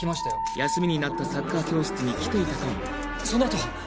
休みになったサッカー教室に来ていたというその後は？